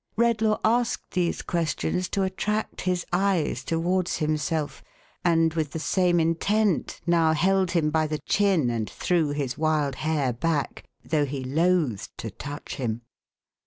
'1'1 Redlaw asked these questions to attract his eyes towards himself, and with the same intent now held him by the chin, and threw his wild hair back, though he loathed to touch him.